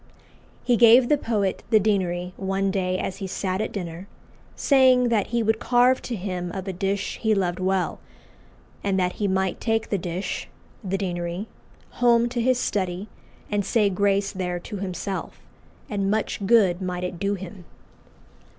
He gave the poet the deanery one day as he sat at dinner, saying "that he would carve to him of a dish he loved well, and that he might take the dish (the deanery) home to his study and say grace there to himself, and much good might it do him."